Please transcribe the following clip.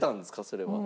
それは。